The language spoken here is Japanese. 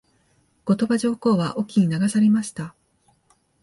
後鳥羽上皇は隠岐に流されました。